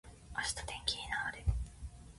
明日天気にな～れ。